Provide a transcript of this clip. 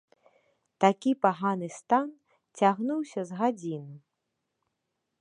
Такі паганы стан цягнуўся з гадзіну.